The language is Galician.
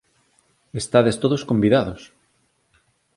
Estades todos convidados!